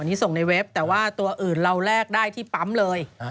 อันนี้ส่งในเว็บแต่ว่าตัวอื่นเราแลกได้ที่ปั๊มเลย